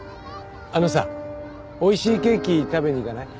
あのさおいしいケーキ食べに行かない？